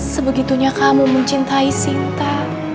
sebegitunya kamu mencintai sinta